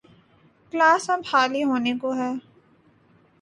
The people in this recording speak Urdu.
گلاس اب خالی ہونے کو ہے۔